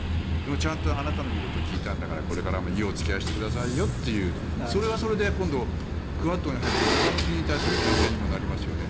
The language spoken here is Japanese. ちゃんとあなたの言うことを聞いたんだからこれからもいいお付き合いをしてくださいよっていうそれはそれで今度クアッドに入っているほかの国に対するけん制にもなりますよね。